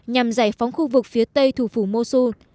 nhằm giải phóng khu vực phía tây thủ phủ musu